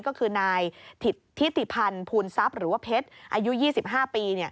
ก็คือนายทิติพันธ์ภูนทรัพย์หรือว่าเพชรอายุ๒๕ปี